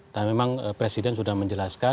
nah memang presiden sudah menjelaskan